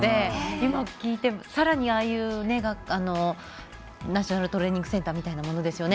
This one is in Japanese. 今、聞いてさらにああいうナショナルトレーニングセンターみたいなものですよね。